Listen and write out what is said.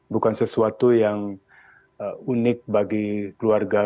bukan sesuatu yang unik bagi keluarga